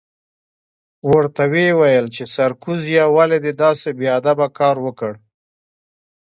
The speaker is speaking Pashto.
ورته ویې ویل چې سرکوزیه ولې دې داسې بې ادبه کار وکړ؟